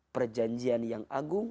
perjanjian yang agung